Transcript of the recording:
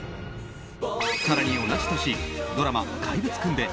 更に、同じ年ドラマ「怪物くん」で